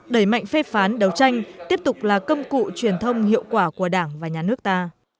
đẩy mạnh phê phán đấu tranh tiếp tục là công cụ truyền thông hiệu quả của đảng và nhà nước ta